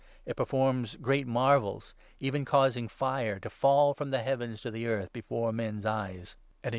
It performs great marvels, even causing fire to fall 13 from the heavens to the earth, before men's eyes ; and in con 14 14 Dan.